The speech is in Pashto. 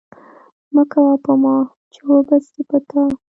مه کوه په ما، چي وبه سي په تا